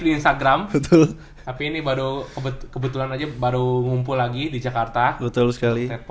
di instagram betul tapi ini baru kebetulan aja baru ngumpul lagi di jakarta betul sekali